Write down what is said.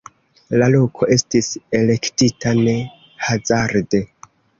La loko estis elektita ne hazarde.